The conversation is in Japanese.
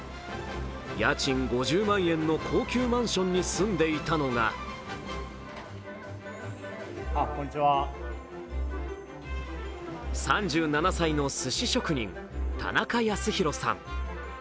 家賃５０万円の高級マンションに住んでいたのが３７歳のすし職人、田中康博さん。